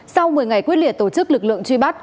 sau một mươi ngày quyết liệt tổ chức lực lượng truy bắt